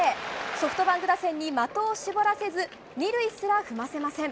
ソフトバンク打線に的を絞らせず２塁すら踏ませません。